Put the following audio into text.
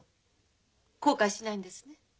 後悔しないんですね？